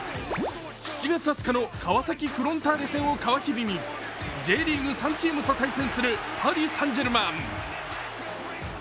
７月２０日の川崎フロンターレ戦を皮切りにＪリーグ３チームと対戦するパリ・サンジェルマン。